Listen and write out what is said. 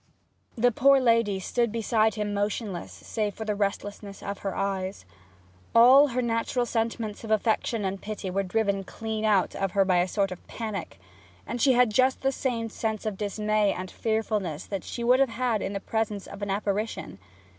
The poor lady stood beside him motionless, save for the restlessness of her eyes. All her natural sentiments of affection and pity were driven clean out of her by a sort of panic; she had just the same sense of dismay and fearfulness that she would have had in the presence of an apparition.